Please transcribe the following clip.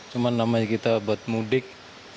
cuma namanya kita buat mudik